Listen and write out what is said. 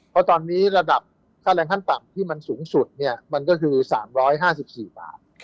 เพราะตอนนี้ระดับค่าแรงขั้นต่ำที่มันสูงสุดมันก็คือ๓๕๔บาท